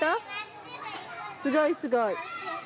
すごいすごい。